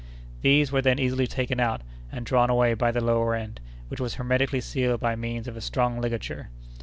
These were then easily taken out, and drawn away by the lower end, which was hermetically sealed by means of a strong ligature.